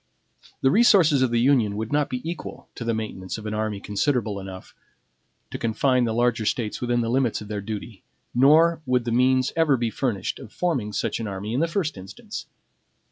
The resources of the Union would not be equal to the maintenance of an army considerable enough to confine the larger States within the limits of their duty; nor would the means ever be furnished of forming such an army in the first instance.